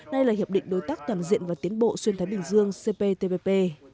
đây là hiệp định đối tác tạm diện và tiến bộ xuyên thái bình dương cptpp